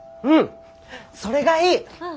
うんそれがいい！